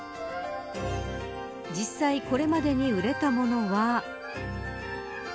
実際これまでに売れたものは。